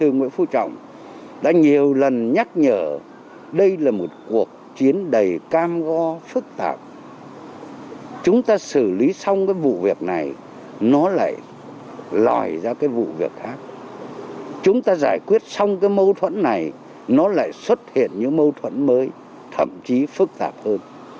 nó lại xuất hiện những mâu thuẫn mới thậm chí phức tạp hơn